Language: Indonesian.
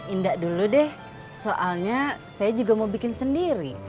indah dulu deh soalnya saya juga mau bikin sendiri